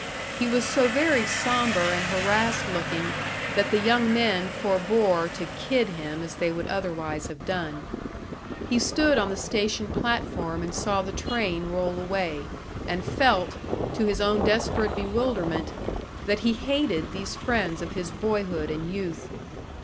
He was so very sombre and harassed looking that the young men forbore to "kid" him as they would otherwise have done. He stood on the station platform and saw the train roll away and felt, to his own desperate bewilderment, that he hated these friends of his boyhood and youth.